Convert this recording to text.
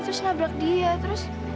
aku sempet mau